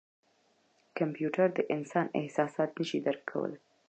کمپیوټر د انسان احساسات نه شي درک کولای.